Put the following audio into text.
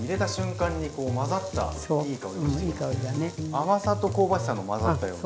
甘さと香ばしさの混ざったような。